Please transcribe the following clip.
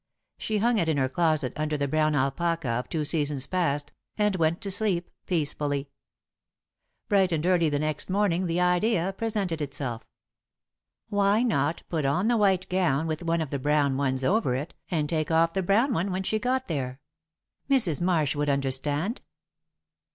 She hung it in her closet, under the brown alpaca of two seasons past, and went to sleep, peacefully. Bright and early the next morning the Idea presented itself. Why not put on the white gown with one of the brown ones over it and take off the brown one when she got there? Mrs. Marsh would understand.